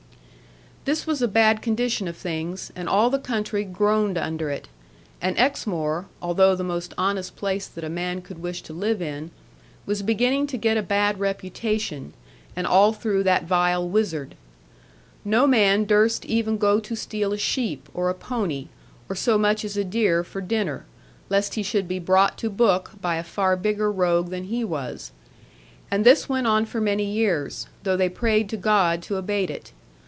This was a bad condition of things, and all the country groaned under it; and Exmoor (although the most honest place that a man could wish to live in) was beginning to get a bad reputation, and all through that vile wizard. No man durst even go to steal a sheep, or a pony, or so much as a deer for dinner, lest he should be brought to book by a far bigger rogue than he was. And this went on for many years; though they prayed to God to abate it.